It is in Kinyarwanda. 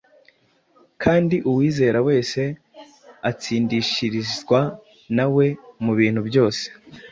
kandi uwizera wese atsindishirizwa na we mu bintu byose,